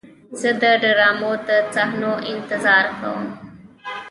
زه د ډرامو د صحنو انتظار کوم.